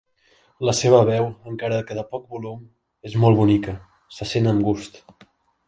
La seva veu, encara que de poc volum, és molt bonica, se sent amb gust.